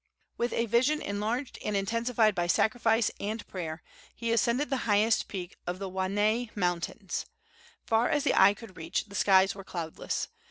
With a vision enlarged and intensified by sacrifice and prayer, he ascended the highest peak of the Waianae Mountains. Far as the eye could reach the skies were cloudless.